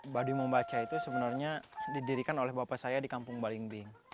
baduy membaca itu sebenarnya didirikan oleh bapak saya di kampung balingbing